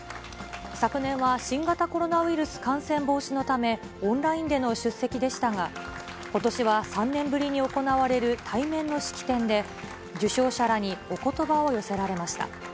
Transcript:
昨年は新型コロナウイルス感染防止のため、オンラインでの出席でしたが、ことしは３年ぶりに行われる対面の式典で、受賞者らにおことばを寄せられました。